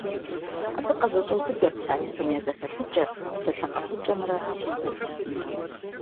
Абы къызэщӏеубыдэ псалъэхэм я зэхэлъыкӏэр, псалъэ къэхъукӏэмрэ синтаксисымрэ.